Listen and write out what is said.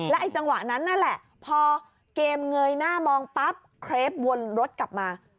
ไอ้จังหวะนั้นนั่นแหละพอเกมเงยหน้ามองปั๊บเครปวนรถกลับมา